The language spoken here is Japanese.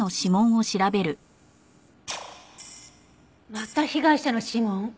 また被害者の指紋？